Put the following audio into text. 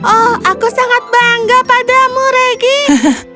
oh aku sangat bangga padamu reggie